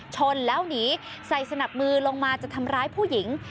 ชนแล้วหนีใส่สนับมือลงมาจะทำร้ายผู้หญิง